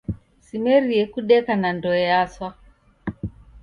Simerie kudeka na ndoe yaswa!